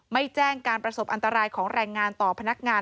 ไม่แจ้งการประสบอันตรายของแรงงานต่อพนักงาน